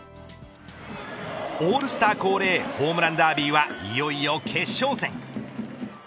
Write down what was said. オールスター恒例ホームランダービーはいよいよ決勝戦。